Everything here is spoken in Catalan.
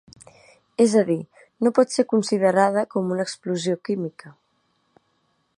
És a dir, no pot ser considerada com una explosió química.